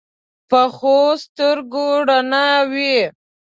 پخو سترګو رڼا وي